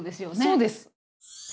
そうです。